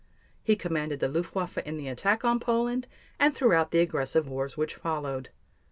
He commanded the Luftwaffe in the attack on Poland and throughout the aggressive wars which followed.